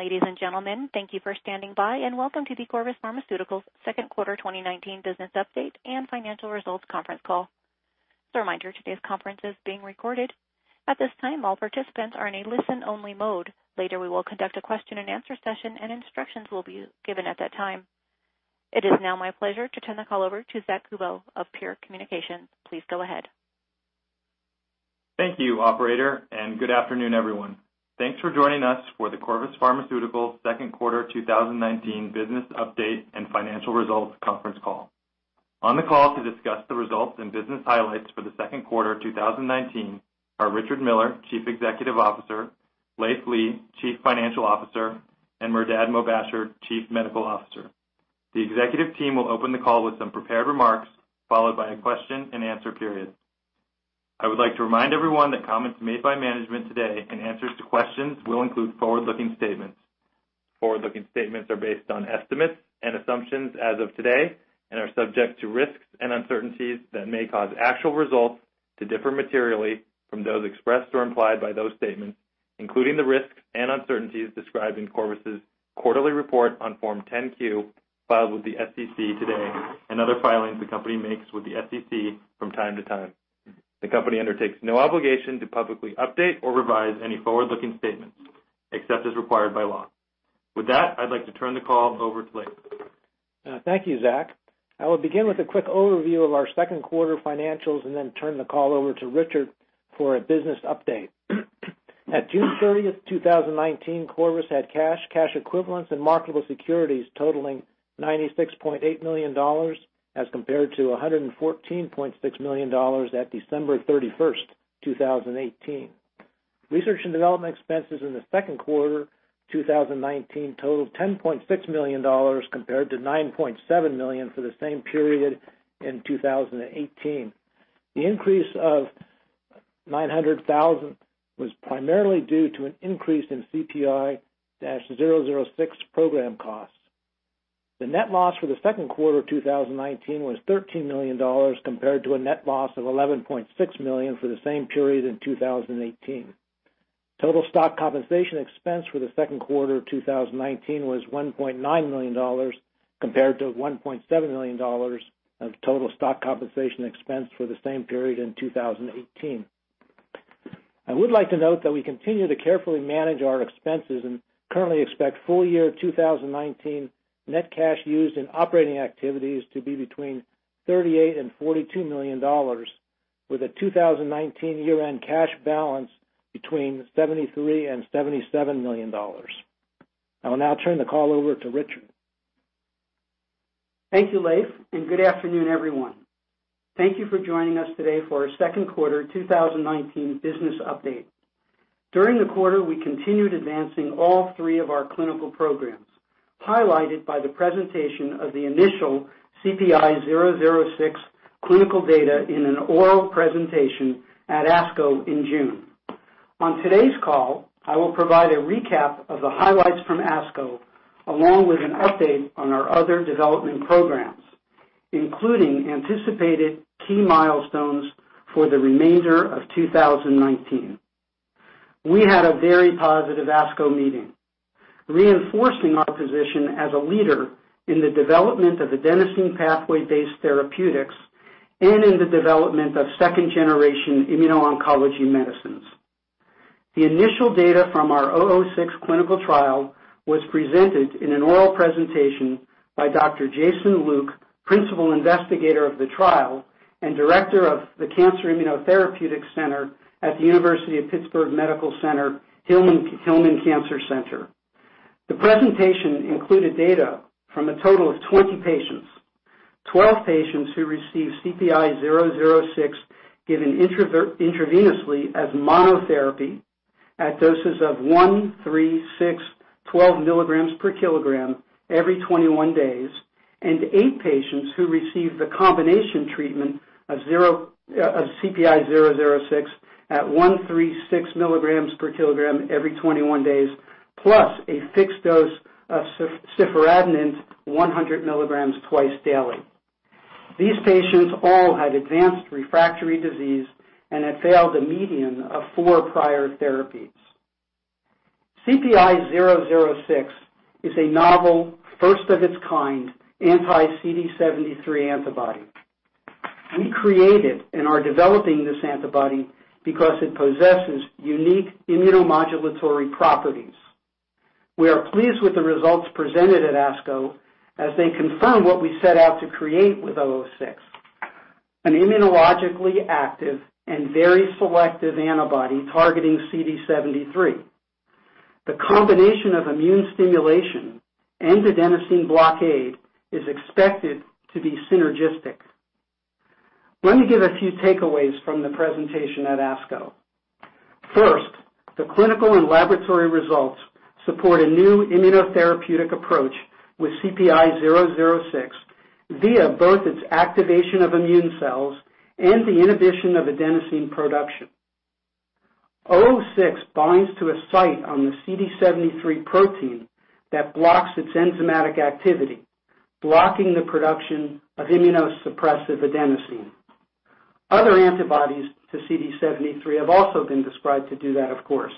Good afternoon, ladies and gentlemen. Thank you for standing by, and welcome to the Corvus Pharmaceuticals Second Quarter 2019 Business Update and Financial Results Conference Call. As a reminder, today's conference is being recorded. At this time, all participants are in a listen-only mode. Later we will conduct a question and answer session, and instructions will be given at that time. It is now my pleasure to turn the call over to Zack Kubow of Pure Communications. Please go ahead. Thank you, operator. Good afternoon, everyone. Thanks for joining us for the Corvus Pharmaceuticals Second Quarter 2019 Business Update and Financial Results conference call. On the call to discuss the results and business highlights for the second quarter of 2019 are Richard Miller, Chief Executive Officer, Leiv Lea, Chief Financial Officer, and Mehrdad Mobasher, Chief Medical Officer. The executive team will open the call with some prepared remarks, followed by a question and answer period. I would like to remind everyone that comments made by management today in answers to questions will include forward-looking statements. Forward-looking statements are based on estimates and assumptions as of today and are subject to risks and uncertainties that may cause actual results to differ materially from those expressed or implied by those statements, including the risks and uncertainties described in Corvus's quarterly report on Form 10-Q filed with the SEC today, and other filings the company makes with the SEC from time to time. The company undertakes no obligation to publicly update or revise any forward-looking statements, except as required by law. With that, I'd like to turn the call over to Leiv. Thank you, Zack. I will begin with a quick overview of our second quarter financials and then turn the call over to Richard for a business update. At June 30th, 2019, Corvus had cash equivalents, and marketable securities totaling $96.8 million as compared to $114.6 million at December 31st, 2018. Research and development expenses in the second quarter 2019 totaled $10.6 million compared to $9.7 million for the same period in 2018. The increase of $900,000 was primarily due to an increase in CPI-006 program costs. The net loss for the second quarter 2019 was $13 million compared to a net loss of $11.6 million for the same period in 2018. Total stock compensation expense for the second quarter of 2019 was $1.9 million compared to $1.7 million of total stock compensation expense for the same period in 2018. I would like to note that we continue to carefully manage our expenses and currently expect full year 2019 net cash used in operating activities to be between $38 million and $42 million, with a 2019 year-end cash balance between $73 million and $77 million. I will now turn the call over to Richard. Thank you, Leiv, and good afternoon, everyone. Thank you for joining us today for our second quarter 2019 business update. During the quarter, we continued advancing all three of our clinical programs, highlighted by the presentation of the initial CPI-006 clinical data in an oral presentation at ASCO in June. On today's call, I will provide a recap of the highlights from ASCO, along with an update on our other development programs, including anticipated key milestones for the remainder of 2019. We had a very positive ASCO meeting, reinforcing our position as a leader in the development of adenosine pathway-based therapeutics and in the development of second-generation immuno-oncology medicines. The initial data from our 006 clinical trial was presented in an oral presentation by Dr. Jason Luke, principal investigator of the trial and director of the Cancer Immunotherapeutics Center at the University of Pittsburgh Medical Center Hillman Cancer Center. The presentation included data from a total of 20 patients. 12 patients who received CPI-006 given intravenously as monotherapy at doses of one, three, six, 12 milligrams per kilogram every 21 days, and eight patients who received the combination treatment of CPI-006 at one, three, six milligrams per kilogram every 21 days, plus a fixed dose of ciforadenant 100 milligrams twice daily. These patients all had advanced refractory disease and had failed a median of four prior therapies. CPI-006 is a novel, first-of-its-kind, anti-CD73 antibody. We created and are developing this antibody because it possesses unique immunomodulatory properties. We are pleased with the results presented at ASCO as they confirm what we set out to create with 006, an immunologically active and very selective antibody targeting CD73. The combination of immune stimulation and adenosine blockade is expected to be synergistic. Let me give a few takeaways from the presentation at ASCO. First, the clinical and laboratory results support a new immunotherapeutic approach with CPI-006 via both its activation of immune cells and the inhibition of adenosine production. 006 binds to a site on the CD73 protein that blocks its enzymatic activity, blocking the production of immunosuppressive adenosine. Other antibodies to CD73 have also been described to do that, of course.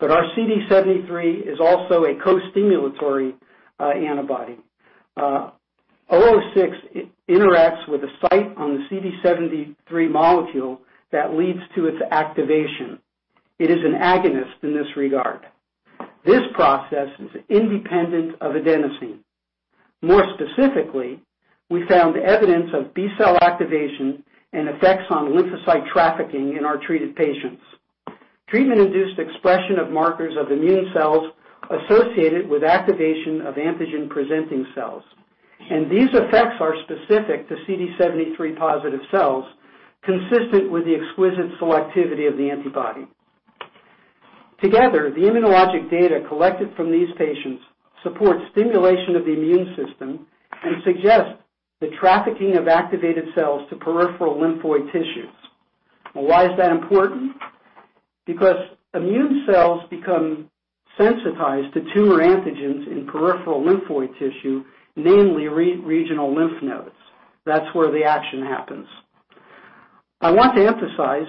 Our CD73 is also a co-stimulatory antibody. 006 interacts with a site on the CD73 molecule that leads to its activation. It is an agonist in this regard. This process is independent of adenosine. More specifically, we found evidence of B cell activation and effects on lymphocyte trafficking in our treated patients. Treatment-induced expression of markers of immune cells associated with activation of antigen-presenting cells. These effects are specific to CD73 positive cells, consistent with the exquisite selectivity of the antibody. Together, the immunologic data collected from these patients supports stimulation of the immune system and suggests the trafficking of activated cells to peripheral lymphoid tissues. Well, why is that important? Because immune cells become sensitized to tumor antigens in peripheral lymphoid tissue, namely regional lymph nodes. That's where the action happens. I want to emphasize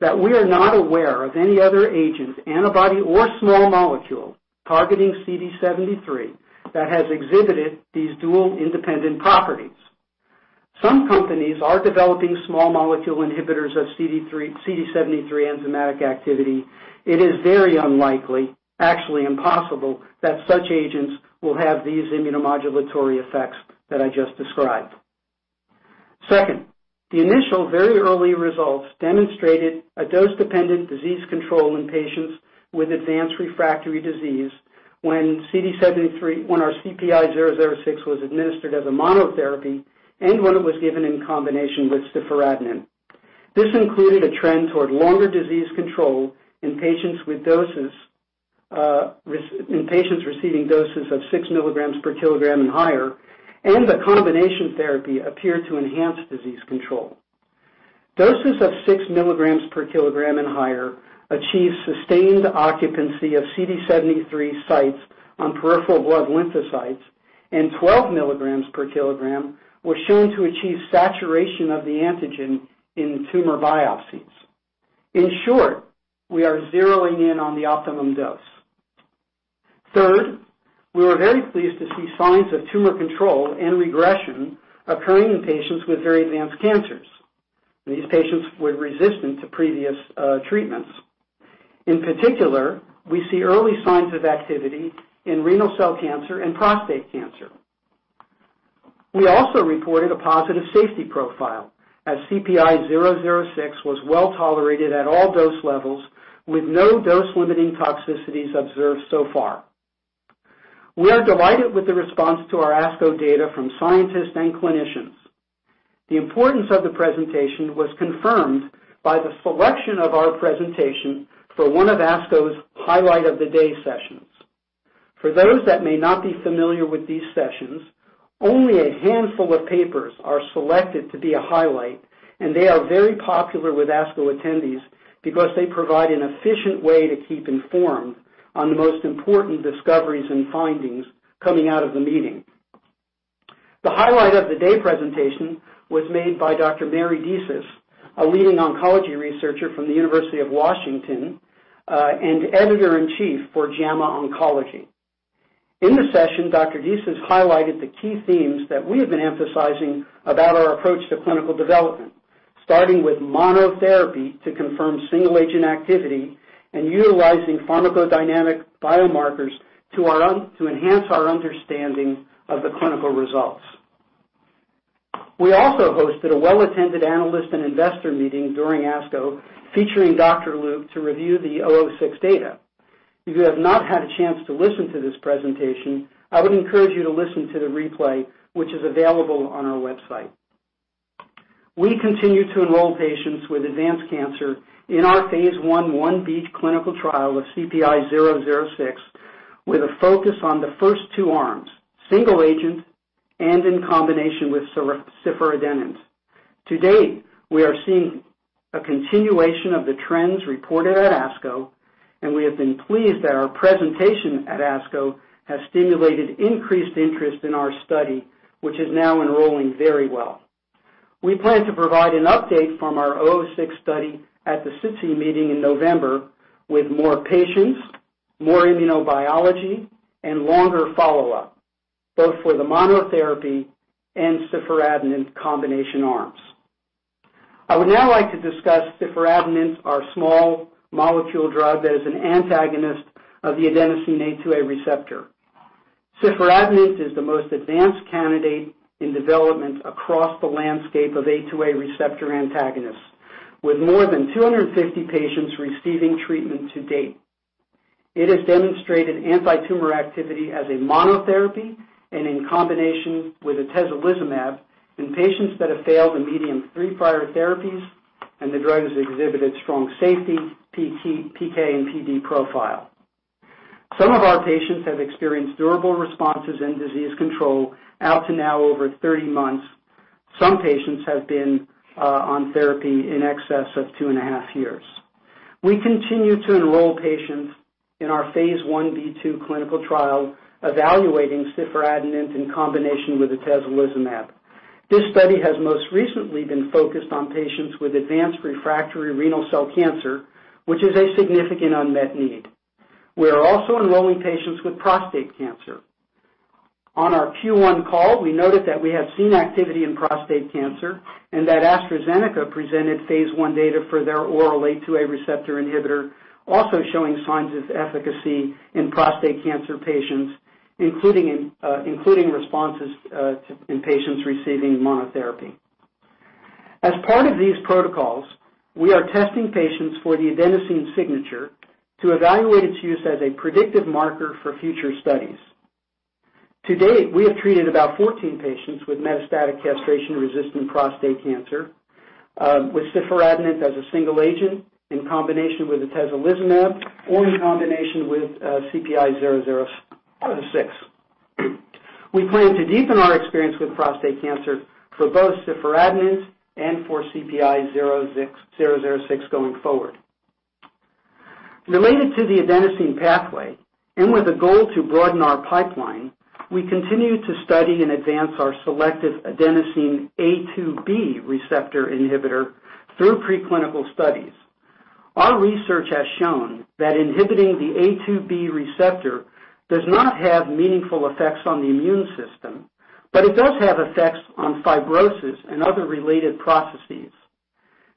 that we are not aware of any other agent, antibody, or small molecule targeting CD73 that has exhibited these dual independent properties. Some companies are developing small molecule inhibitors of CD73 enzymatic activity. It is very unlikely, actually impossible, that such agents will have these immunomodulatory effects that I just described. Second, the initial very early results demonstrated a dose-dependent disease control in patients with advanced refractory disease when our CPI-006 was administered as a monotherapy and when it was given in combination with ciforadenant. This included a trend toward longer disease control in patients receiving doses of six milligrams per kilogram and higher, and the combination therapy appeared to enhance disease control. Doses of six milligrams per kilogram and higher achieve sustained occupancy of CD73 sites on peripheral blood lymphocytes, and 12 milligrams per kilogram were shown to achieve saturation of the antigen in tumor biopsies. In short, we are zeroing in on the optimum dose. Third, we were very pleased to see signs of tumor control and regression occurring in patients with very advanced cancers. These patients were resistant to previous treatments. In particular, we see early signs of activity in renal cell cancer and prostate cancer. We also reported a positive safety profile, as CPI-006 was well-tolerated at all dose levels with no dose-limiting toxicities observed so far. We are delighted with the response to our ASCO data from scientists and clinicians. The importance of the presentation was confirmed by the selection of our presentation for one of ASCO's Highlight of the Day sessions. For those that may not be familiar with these sessions, only a handful of papers are selected to be a highlight, and they are very popular with ASCO attendees because they provide an efficient way to keep informed on the most important discoveries and findings coming out of the meeting. The Highlight of the Day presentation was made by Dr. Mary Disis, a leading oncology researcher from the University of Washington, and editor-in-chief for JAMA Oncology. In the session, Dr. Disis highlighted the key themes that we have been emphasizing about our approach to clinical development, starting with monotherapy to confirm single-agent activity and utilizing pharmacodynamic biomarkers to enhance our understanding of the clinical results. We also hosted a well-attended analyst and investor meeting during ASCO featuring Dr. Luke to review the CPI-006 data. If you have not had a chance to listen to this presentation, I would encourage you to listen to the replay, which is available on our website. We continue to enroll patients with advanced cancer in our phase I-B clinical trial of CPI-006 with a focus on the first two arms, single agent and in combination with ciforadenant. To date, we are seeing a continuation of the trends reported at ASCO, and we have been pleased that our presentation at ASCO has stimulated increased interest in our study, which is now enrolling very well. We plan to provide an update from our 006 study at the SITC meeting in November with more patients, more immunobiology, and longer follow-up, both for the monotherapy and ciforadenant combination arms. I would now like to discuss ciforadenant, our small molecule drug that is an antagonist of the adenosine A2A receptor. Ciforadenant is the most advanced candidate in development across the landscape of A2A receptor antagonists, with more than 250 patients receiving treatment to date. It has demonstrated antitumor activity as a monotherapy and in combination with atezolizumab in patients that have failed a medium three prior therapies, and the drug has exhibited strong safety, PK, and PD profile. Some of our patients have experienced durable responses and disease control out to now over 30 months. Some patients have been on therapy in excess of two and a half years. We continue to enroll patients in our phase I-B/II clinical trial evaluating ciforadenant in combination with atezolizumab. This study has most recently been focused on patients with advanced refractory renal cell cancer, which is a significant unmet need. We are also enrolling patients with prostate cancer. On our Q1 call, we noted that we have seen activity in prostate cancer and that AstraZeneca presented phase I data for their oral A2A receptor inhibitor, also showing signs of efficacy in prostate cancer patients, including responses in patients receiving monotherapy. As part of these protocols, we are testing patients for the adenosine signature to evaluate its use as a predictive marker for future studies. To date, we have treated about 14 patients with metastatic castration-resistant prostate cancer with ciforadenant as a single agent in combination with atezolizumab or in combination with CPI-006. We plan to deepen our experience with prostate cancer for both ciforadenant and for CPI-006 going forward. Related to the adenosine pathway, and with a goal to broaden our pipeline, we continue to study and advance our selective adenosine A2B receptor inhibitor through preclinical studies. Our research has shown that inhibiting the A2B receptor does not have meaningful effects on the immune system, but it does have effects on fibrosis and other related processes.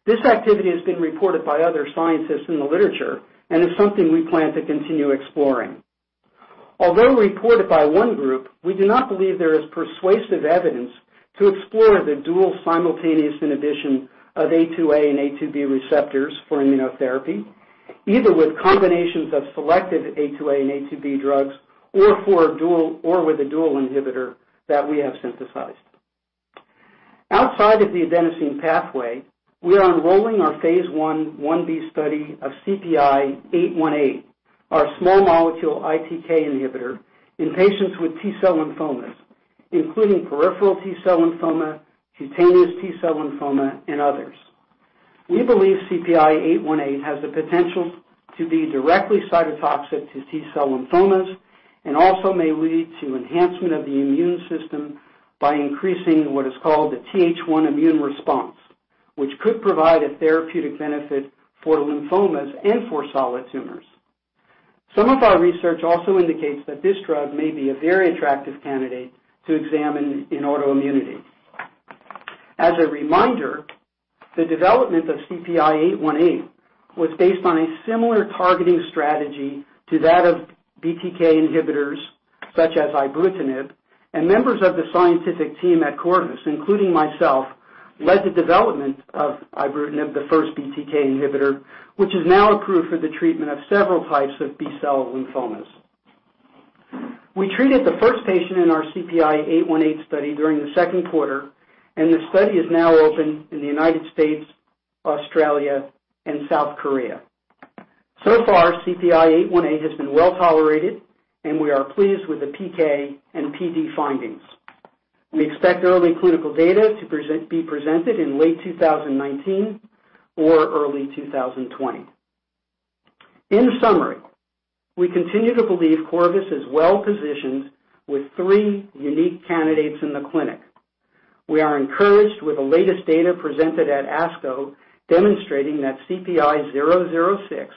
This activity has been reported by other scientists in the literature and is something we plan to continue exploring. Although reported by one group, we do not believe there is persuasive evidence to explore the dual simultaneous inhibition of A2A and A2B receptors for immunotherapy, either with combinations of selective A2A and A2B drugs or with a dual inhibitor that we have synthesized. Outside of the adenosine pathway, we are enrolling our Phase I/I-B study of CPI-818, our small molecule ITK inhibitor, in patients with T-cell lymphomas, including peripheral T-cell lymphoma, cutaneous T-cell lymphoma, and others. We believe CPI-818 has the potential to be directly cytotoxic to T-cell lymphomas and also may lead to enhancement of the immune system by increasing what is called the TH1 immune response, which could provide a therapeutic benefit for lymphomas and for solid tumors. Some of our research also indicates that this drug may be a very attractive candidate to examine in autoimmunity. As a reminder, the development of CPI-818 was based on a similar targeting strategy to that of BTK inhibitors such as ibrutinib. Members of the scientific team at Corvus, including myself, led the development of ibrutinib, the first BTK inhibitor, which is now approved for the treatment of several types of B-cell lymphomas. We treated the first patient in our CPI-818 study during the second quarter. The study is now open in the United States, Australia, and South Korea. So far, CPI-818 has been well-tolerated. We are pleased with the PK and PD findings. We expect early clinical data to be presented in late 2019 or early 2020. In summary, we continue to believe Corvus is well-positioned with three unique candidates in the clinic. We are encouraged with the latest data presented at ASCO demonstrating that CPI-006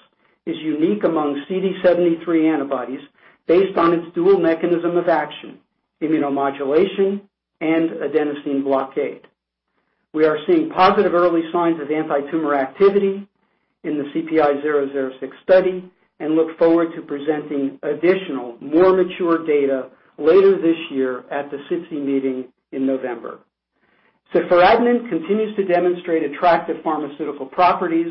is unique among CD73 antibodies based on its dual mechanism of action, immunomodulation and adenosine blockade. We are seeing positive early signs of antitumor activity in the CPI-006 study and look forward to presenting additional, more mature data later this year at the SITC meeting in November. ciforadenant continues to demonstrate attractive pharmaceutical properties,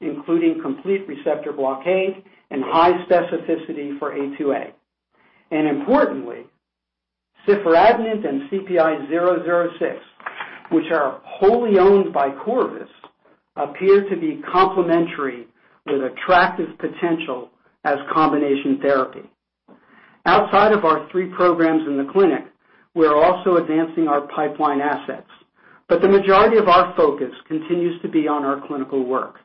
including complete receptor blockade and high specificity for A2A. Importantly, ciforadenant and CPI-006, which are wholly owned by Corvus, appear to be complementary with attractive potential as combination therapy. Outside of our three programs in the clinic, we are also advancing our pipeline assets, the majority of our focus continues to be on our clinical work.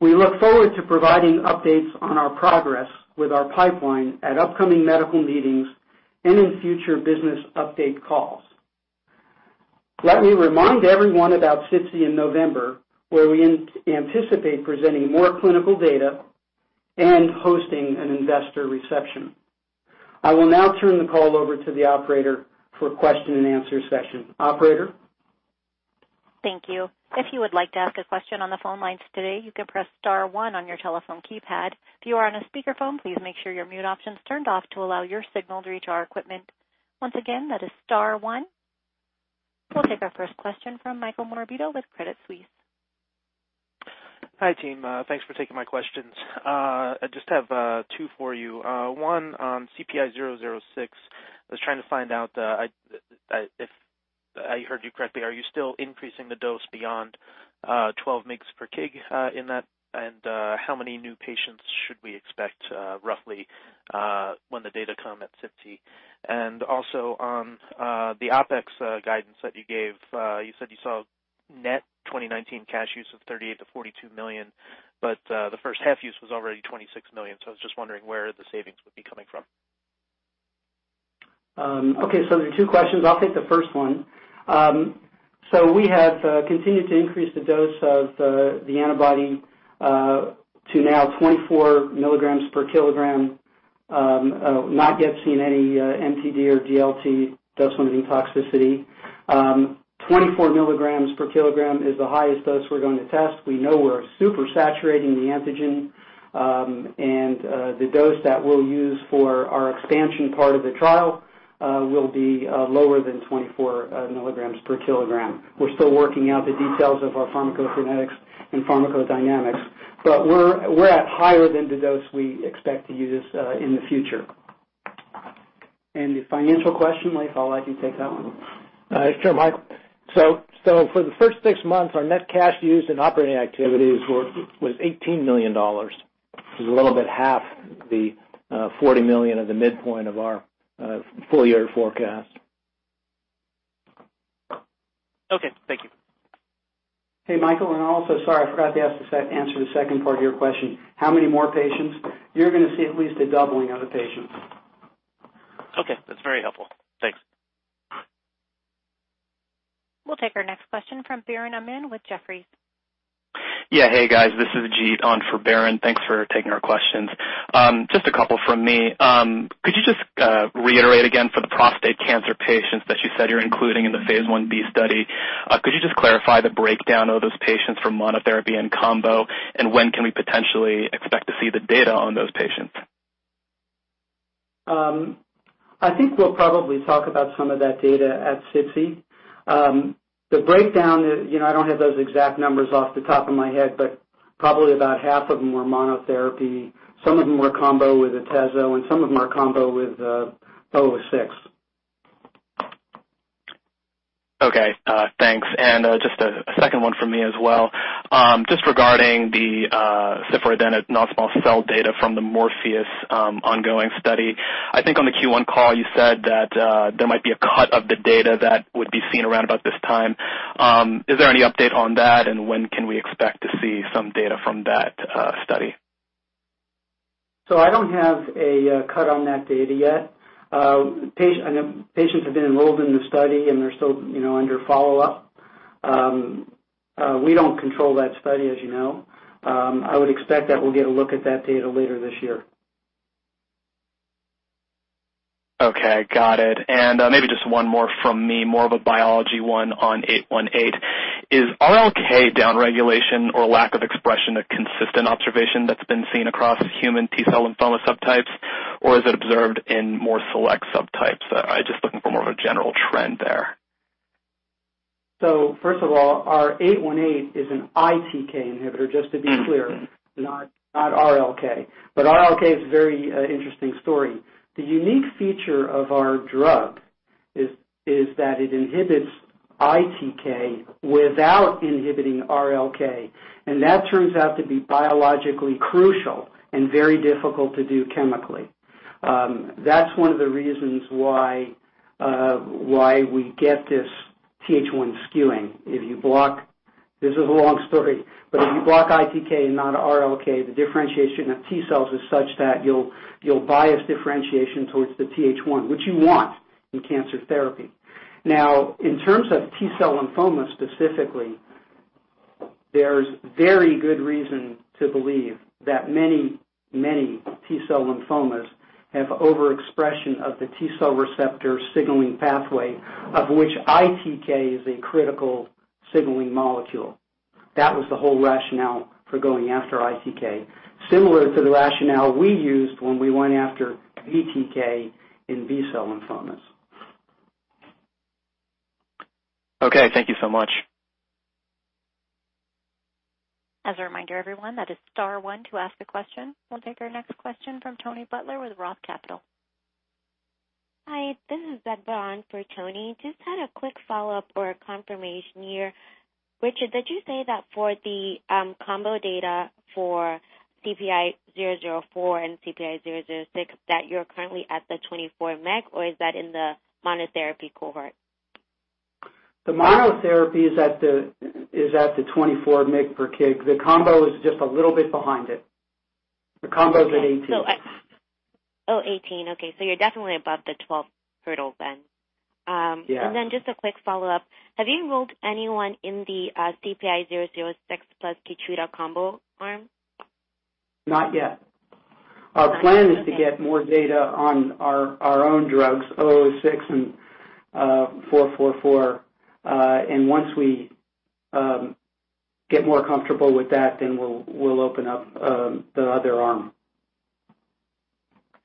We look forward to providing updates on our progress with our pipeline at upcoming medical meetings and in future business update calls. Let me remind everyone about SITC in November, where we anticipate presenting more clinical data and hosting an investor reception. I will now turn the call over to the operator for a question and answer session. Operator? Thank you. If you would like to ask a question on the phone lines today, you can press star one on your telephone keypad. If you are on a speakerphone, please make sure your mute option is turned off to allow your signal to reach our equipment. Once again, that is star one. We'll take our first question from Michael Morabito with Credit Suisse. Hi, team. Thanks for taking my questions. I just have two for you. One, CPI-006, I was trying to find out if I heard you correctly. Are you still increasing the dose beyond 12 mgs per kg in that? How many new patients should we expect roughly when the data come at SITC? Also, on the OpEx guidance that you gave, you said you saw net 2019 cash use of $38 million-$42 million, but the first half use was already $26 million. I was just wondering where the savings would be coming from. Okay, there are two questions. I'll take the first one. We have continued to increase the dose of the antibody to now 24 milligrams per kilogram. Not yet seen any MTD or DLT dose-limiting toxicity. 24 milligrams per kilogram is the highest dose we're going to test. We know we're super saturating the antigen. The dose that we'll use for our expansion part of the trial will be lower than 24 milligrams per kilogram. We're still working out the details of our pharmacokinetics and pharmacodynamics, but we're at higher than the dose we expect to use in the future. The financial question, Mike, I'll let you take that one. Sure, Mike. For the first six months, our net cash used in operating activities was $18 million, which is a little bit half the $40 million of the midpoint of our full-year forecast. Okay. Thank you. Hey, Michael. Also, sorry, I forgot to answer the second part of your question. How many more patients? You're going to see at least a doubling of the patients. Okay. That's very helpful. Thanks. We'll take our next question from Biren Amin with Jefferies. Yeah. Hey, guys. This is Jeet on for Biren. Thanks for taking our questions. Just a couple from me. Could you just reiterate again for the prostate cancer patients that you said you're including in the phase I-B study, could you just clarify the breakdown of those patients from monotherapy and combo? When can we potentially expect to see the data on those patients? I think we'll probably talk about some of that data at SITC. The breakdown, I don't have those exact numbers off the top of my head, but probably about half of them were monotherapy. Some of them were combo with Atezzo, and some of them are combo with 006. Okay. Thanks. Just a second one from me as well. Just regarding the ciforadenant non-small cell data from the Morpheus ongoing study. I think on the Q1 call, you said that there might be a cut of the data that would be seen around about this time. Is there any update on that? When can we expect to see some data from that study? I don't have a cut on that data yet. Patients have been enrolled in the study, and they're still under follow-up. We don't control that study, as you know. I would expect that we'll get a look at that data later this year. Okay. Got it. Maybe just one more from me, more of a biology one on 818. Is RLK downregulation or lack of expression a consistent observation that's been seen across human T-cell lymphoma subtypes, or is it observed in more select subtypes? I'm just looking for more of a general trend there. First of all, our 818 is an ITK inhibitor, just to be clear, not RLK. RLK is a very interesting story. The unique feature of our drug is that it inhibits ITK without inhibiting RLK, and that turns out to be biologically crucial and very difficult to do chemically. That's one of the reasons why we get this TH1 skewing. This is a long story, but if you block ITK and not RLK, the differentiation of T cells is such that you'll bias differentiation towards the TH1, which you want in cancer therapy. In terms of T-cell lymphoma specifically, there's very good reason to believe that many, many T-cell lymphomas have overexpression of the T-cell receptor signaling pathway, of which ITK is a critical signaling molecule. That was the whole rationale for going after ITK, similar to the rationale we used when we went after BTK in B-cell lymphomas. Okay. Thank you so much. As a reminder, everyone, that is star one to ask a question. We'll take our next question from Tony Butler with Roth Capital. Hi, this is Deborah on for Tony. Just had a quick follow-up or a confirmation here. Richard, did you say that for the combo data for CPI-444 and CPI-006 that you're currently at the 24 mg, or is that in the monotherapy cohort? The monotherapy is at the 24 mg per kg. The combo is just a little bit behind it. The combo's at 18. Oh, 18. Okay, you're definitely above the 12 hurdle then. Yeah. Just a quick follow-up. Have you enrolled anyone in the CPI-006 plus KEYTRUDA combo arm? Not yet. Our plan is to get more data on our own drugs, 006 and 444. Once we get more comfortable with that, then we'll open up the other arm.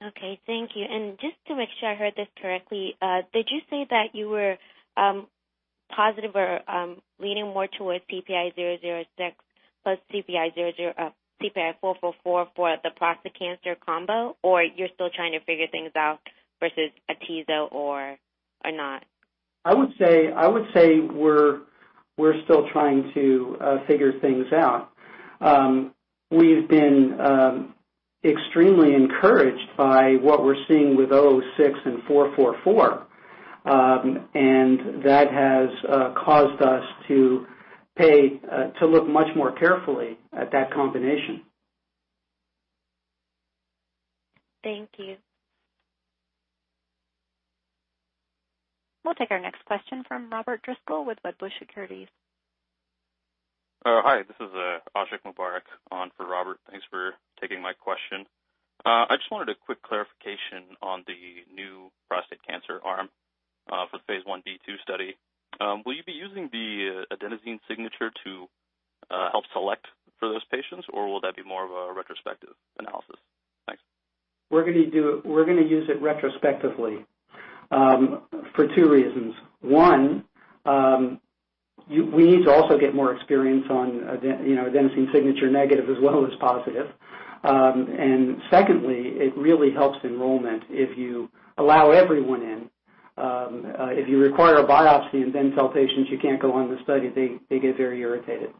Okay. Thank you. Just to make sure I heard this correctly, did you say that you were positive or leaning more towards CPI-006 plus CPI-444 for the prostate cancer combo, or you're still trying to figure things out versus atezolizumab or not? I would say we're still trying to figure things out. We've been extremely encouraged by what we're seeing with 006 and 444, and that has caused us to look much more carefully at that combination. Thank you. We'll take our next question from Robert Driscoll with Wedbush Securities. Hi, this is Ashik Mubarak on for Robert. Thanks for taking my question. I just wanted a quick clarification on the new prostate cancer arm for phase I-B/II study. Will you be using the adenosine signature to help select for those patients, or will that be more of a retrospective analysis? Thanks. We're going to use it retrospectively for two reasons. One, we need to also get more experience on adenosine signature negative as well as positive. Secondly, it really helps enrollment if you allow everyone in. If you require a biopsy and then tell patients you can't go on the study, they get very irritated.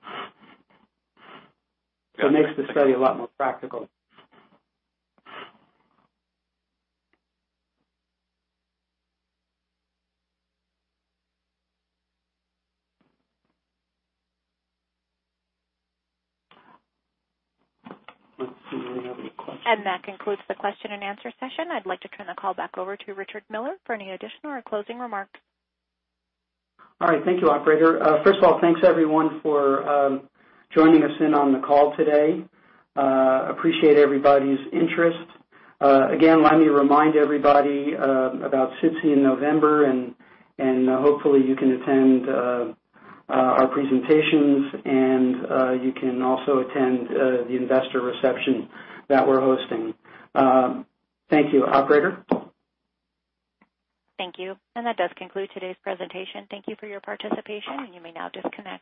It makes the study a lot more practical. Let's see. Do we have any questions? That concludes the question and answer session. I'd like to turn the call back over to Richard Miller for any additional or closing remarks. All right. Thank you, operator. First of all, thanks everyone for joining us in on the call today. Appreciate everybody's interest. Again, let me remind everybody about SITC in November, and hopefully you can attend our presentations, and you can also attend the investor reception that we're hosting. Thank you. Operator? Thank you. That does conclude today's presentation. Thank you for your participation, and you may now disconnect.